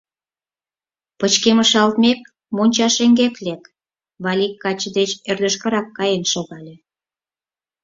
Пычкемышалтмек, монча шеҥгек лек, — Валик каче деч ӧрдыжкырак каен шогалеш.